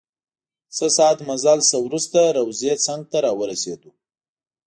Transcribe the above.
څه ساعت مزل نه وروسته روضې څنګ ته راورسیدو.